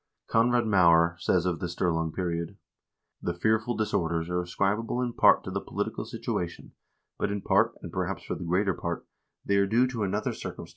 1 Konrad Maurer says of the Sturlung period :" The fearful dis orders are ascribable in part to the political situation, but in part, and perhaps for the greater part, they are due to another circum 1 J.